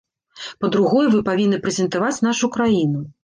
Па-другое, вы павінны прэзентаваць нашу краіну.